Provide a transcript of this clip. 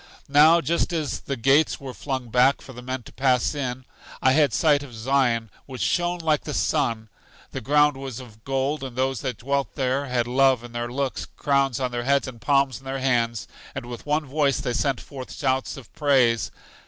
Now, just as the gates were flung back for the men to pass in, I had a sight of Zion, which shone like the sun; the ground was of gold, and those who dwelt there had love in their looks, crowns on their heads, and palms in their hands, and with one voice they sent forth shouts of praise.